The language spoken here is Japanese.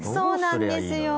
そうなんですよ。